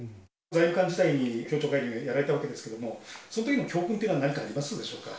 財務官時代に協調介入やられたわけですけれども、そのときの教訓っていうのは何かありますでしょうか？